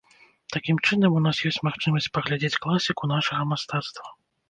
Такім чынам у нас ёсць магчымасць паглядзець і класіку нашага мастацтва.